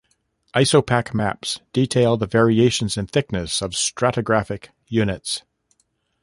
Isopach maps detail the variations in thickness of stratigraphic units.